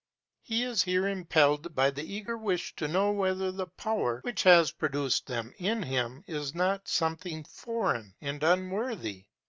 He is here impelled by the eager wish to know whether the power which has produced them in him be not something foreign and unworthy.